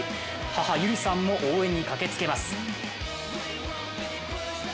母・有里さんも応援に駆けつけます。